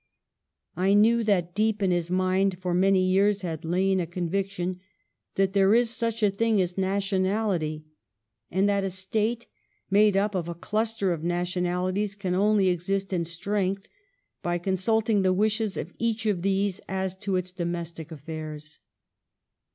I knew that deep in his mind for many years had lain a conviction that there is such a thing as nationality, and that a state made up of a cluster of nationalities can only exist in strength by consulting the wishes of each of these as to its domestic affairs.